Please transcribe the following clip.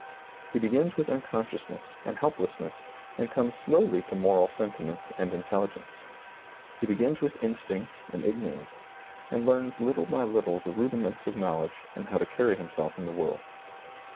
He begins with unconsciousness and help lessness and comes slowly to moral sentiments ^lailizccbvGoOgle 4 SEEING DARKLY and intelligence. He begins with instinct and ignorance, and learns little by little the rudiments of knowledge and how to carry himself in the world.